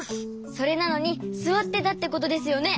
それなのにすわってたってことですよね？